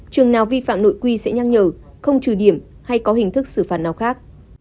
trường nào vi phạm nội quy sẽ nhắc nhở không trừ điểm hay có hình thức xử phạt nào khác